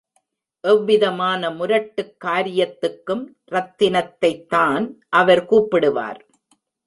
எந்தவிதமான முரட்டுக் காரியத்துக்கும் ரத்தினத்தைத்தான் அவர் கூப்பிடுவார்.